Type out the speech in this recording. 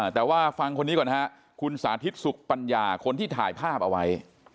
แต่ว่าฟังคนนี้ก่อนฮะคุณสาธิตสุขปัญญาคนที่ถ่ายภาพเอาไว้